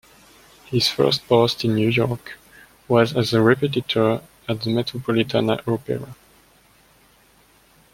His first post in New York was as a repetiteur at the Metropolitan Opera.